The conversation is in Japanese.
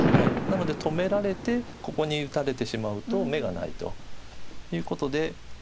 なので止められてここに打たれてしまうと眼がないということで。